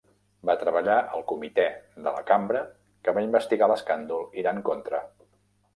Va treballar al comitè de la Cambra que va investigar l'escàndol Iran-Contra.